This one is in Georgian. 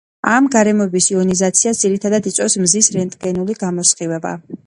ამ გარემოს იონიზაციას ძირითადად იწვევს მზის რენტგენული გამოსხივება.